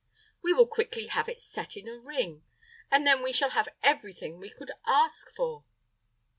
We will quickly have it set in a ring, and then we shall have everything we could ask for."